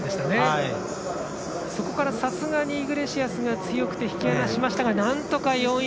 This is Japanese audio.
そこからさすがにイグレシアスが強くて強くて引き離しましたがなんとか４位。